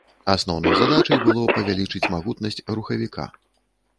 Асноўнай задачай было павялічыць магутнасць рухавіка.